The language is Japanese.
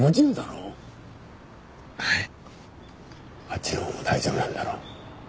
あっちの方も大丈夫なんだろ？